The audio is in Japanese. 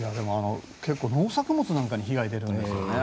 結構農作物なんかに被害が出るんですよね。